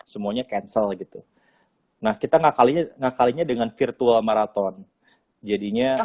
semuanya cancel gitu nah kita ngakalinya ngakalinya dengan virtual maraton jadinya